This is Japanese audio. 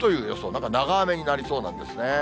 なんか長雨になりそうなんですね。